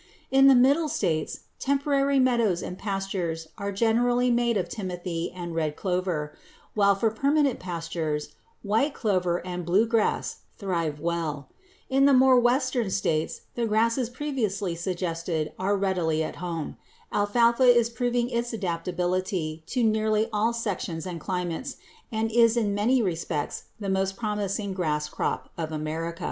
In the Middle States temporary meadows and pastures are generally made of timothy and red clover, while for permanent pastures white clover and blue grass thrive well. In the more western states the grasses previously suggested are readily at home. Alfalfa is proving its adaptability to nearly all sections and climates, and is in many respects the most promising grass crop of America.